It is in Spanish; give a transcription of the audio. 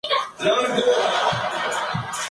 Es hincha de River Plate.